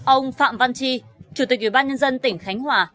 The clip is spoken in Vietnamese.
ông phạm văn chi chủ tịch ủy ban nhân dân tỉnh khánh hòa